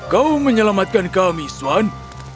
kau menyelamatkan kami swan